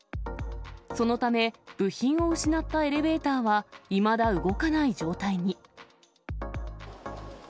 そのため、部品を失ったエレベーターは、いまだ動かない状態に。